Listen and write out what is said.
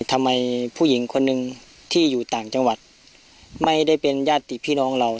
ทำไมผู้หญิงคนหนึ่งที่อยู่ต่างจังหวัดไม่ได้เป็นญาติพี่น้องเรา